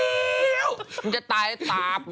มึงจะตายตาม